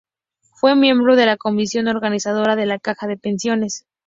Fue miembro de la comisión organizadora de la Caja de Pensiones.